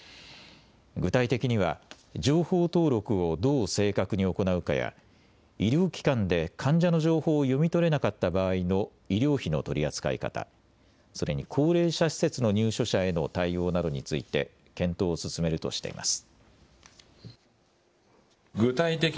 具体的には、情報登録をどう正確に行うかや、医療機関で患者の情報を読み取れなかった場合の医療費の取り扱い方、それに高齢者施設の入所者への対応などについて、検討を進めるとしています。